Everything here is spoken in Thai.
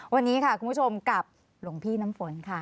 วันนี้ค่ะคุณผู้ชมกับหลวงพี่น้ำฝนค่ะ